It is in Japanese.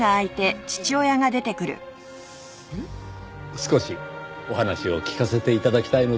少しお話を聞かせて頂きたいのですが。